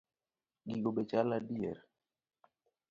Gigo be chal adier?